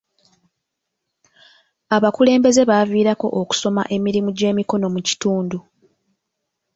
Abakulembeze baaviirako okusoma emirimu gy'emikono mu kitundu.